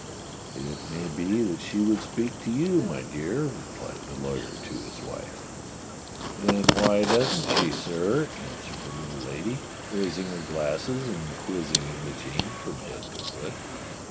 "It may be that she would speak to you, my dear," replied the lawyer to his wife. "Then why doesn't she, sir?" answered the little lady, raising her glasses and quizzing Imogene from head to foot.